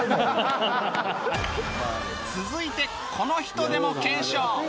続いてこの人でも検証